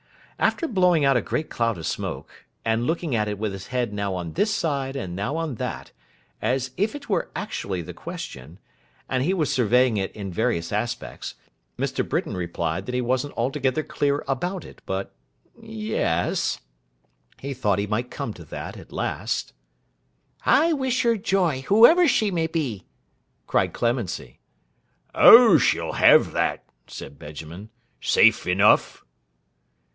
After blowing out a great cloud of smoke, and looking at it with his head now on this side and now on that, as if it were actually the question, and he were surveying it in various aspects, Mr. Britain replied that he wasn't altogether clear about it, but—ye es—he thought he might come to that at last. 'I wish her joy, whoever she may be!' cried Clemency. 'Oh she'll have that,' said Benjamin, 'safe enough.